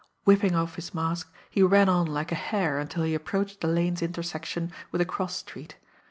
Whipping off his mask, he ran on like a hare until he approached the lane's intersection with a cross street.